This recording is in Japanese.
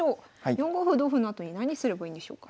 ４五歩同歩のあとに何すればいいんでしょうか？